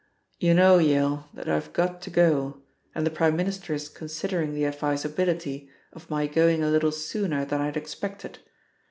"You know, Yale, that I've got to go, and the Prime Minister is considering the advisability of my going a little sooner than I had expected.